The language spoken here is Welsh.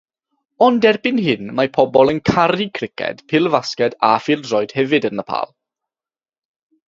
Ond erbyn hyn mae pobl yn caru criced, pêl-fasged a phêl-droed hefyd yn Nepal.